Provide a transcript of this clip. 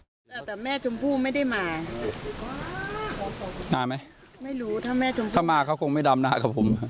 แต่แม่ชมพู่ไม่ได้มาอ๋อนานไหมไม่รู้ถ้าแม่ชมพูถ้ามาเขาคงไม่ดำหน้ากับผม